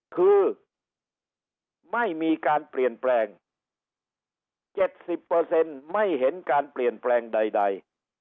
คือไม่มีการเปลี่ยนแปลง๗๐ไม่เห็นการเปลี่ยนแปลงใด